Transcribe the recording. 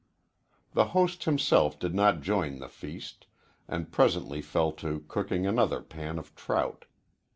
The host himself did not join the feast, and presently fell to cooking another pan of trout.